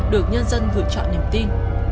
được nhân dân vượt chọn nhầm tin